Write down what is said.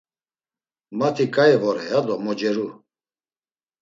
Mati ǩai vore ya do moceru.